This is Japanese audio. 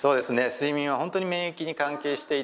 睡眠は本当に免疫に関係していて。